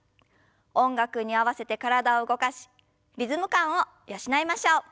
音楽に合わせて体を動かしリズム感を養いましょう。